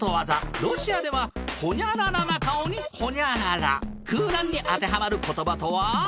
ロシアではホニャララな顔にホニャララ空欄にあてはまる言葉とは？